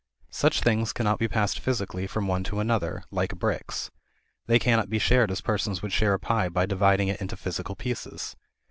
Such things cannot be passed physically from one to another, like bricks; they cannot be shared as persons would share a pie by dividing it into physical pieces.